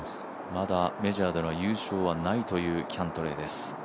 まだメジャーでの優勝はないというキャントレーです。